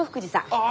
ああ！